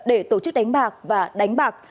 để tổ chức đánh bạc và đánh bạc